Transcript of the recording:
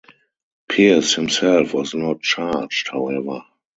Pierce himself was not charged, however.